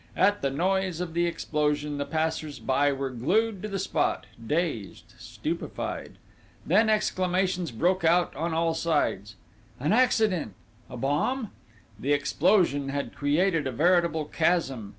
At the noise of the explosion, the passers by were glued to the spot, dazed, stupefied. Then exclamations broke out on all sides. "'An accident?' "'A bomb?' "The explosion had created a veritable chasm.